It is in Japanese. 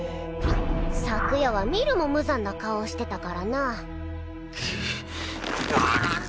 昨夜は見るも無残な顔をしてたからなくっああっ！